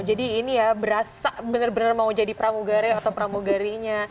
jadi ini ya berasa bener bener mau jadi pramugari atau pramugarinya